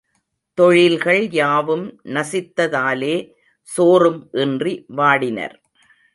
தொழில்கள் யாவும் நசித்த தாலே சோறும் இன்றி வாடினர்.